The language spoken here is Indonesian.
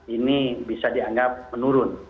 ini bisa dianggap menurun